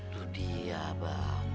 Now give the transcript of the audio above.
tuh dia pak